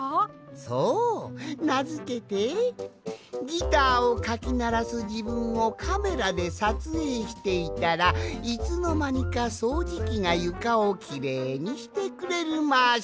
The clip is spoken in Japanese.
そうなづけて「ギターをかきならすじぶんをカメラでさつえいしていたらいつのまにかそうじきがゆかをきれいにしてくれるマシーン」じゃ！